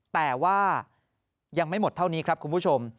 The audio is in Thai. แต่ว่ายังไม่หมดเท่านี้ครับคุณผู้ชม